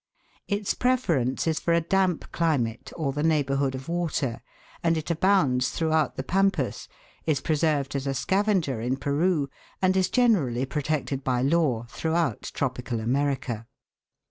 Its preference is for a damp climate or the neighbourhood of water, and it abounds throughout the pampas, is preserved as a sca venger in Peru, and is generally protected by law throughout tropical America.